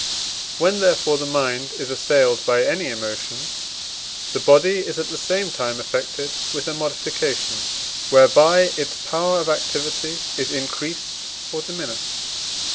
When, therefore, the mind is assailed by any emotion, the body is at the same time affected with a modification whereby its power of activity is increased or diminished.